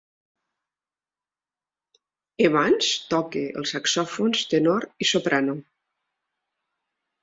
Evans toca els saxofons tenor i soprano.